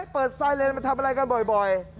เปิดไซเลนมาทำอะไรกันบ่อย